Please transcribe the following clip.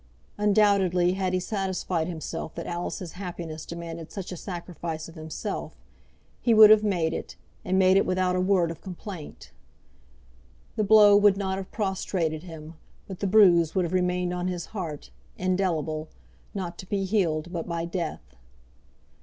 Undoubtedly, had he satisfied himself that Alice's happiness demanded such a sacrifice of himself, he would have made it, and made it without a word of complaint. The blow would not have prostrated him, but the bruise would have remained on his heart, indelible, not to be healed but by death.